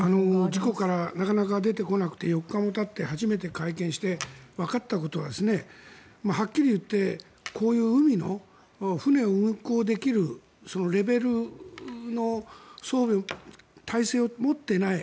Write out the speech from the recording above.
事故からなかなか出てこなくて４日もたって初めて会見してわかったことははっきり言ってこういう海の船を運航できるレベルの装備、体制を持っていない。